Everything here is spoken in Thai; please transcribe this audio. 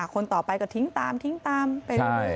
คนต่อไปก็ทิ้งตามทิ้งตามไปเรื่อย